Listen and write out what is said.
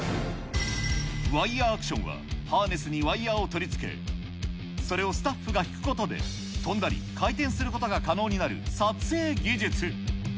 ワイヤーアクションは、ハーネスにワイヤーを取り付け、それをスタッフが引くことで、飛んだり回転することが可能になる撮影技術。